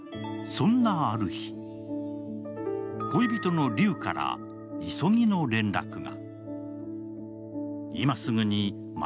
そんなある日、恋人の劉から急ぎの連絡が。